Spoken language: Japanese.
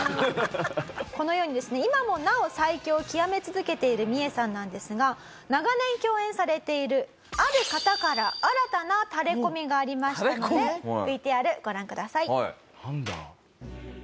このようにですね今もなお最強を極め続けているミエさんなんですが長年共演されているある方から新たなタレコミがありましたのでＶＴＲご覧ください。